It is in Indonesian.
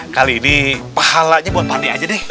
kali ini pahalanya buat pak d aja deh